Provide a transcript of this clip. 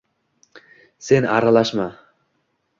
Sen aralashma!